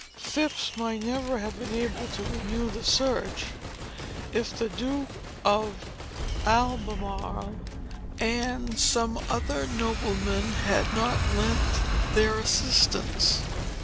Phips might never have been able to renew the search, if the Duke of Albemarle, and some other noblemen had not lent their assistance.